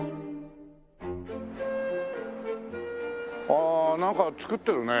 ああなんか作ってるね。